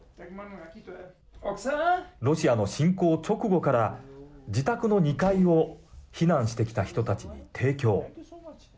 ロシアの侵攻直後から自宅の２階を避難してきた人たちに提供。